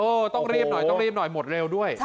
ต้องรีบหน่อยต้องรีบหน่อยหมดเร็วด้วย